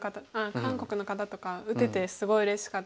韓国の方とか打ててすごいうれしかったです。